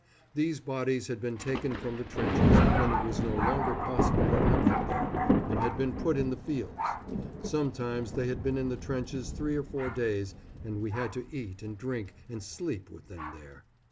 These bodies had been taken from the trenches, when it was no longer possible to have them there, and had been put in the fields. Sometimes they had been in the trenches three or four days, and we had to eat and drink and sleep with them there.